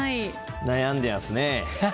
悩んでますねえ。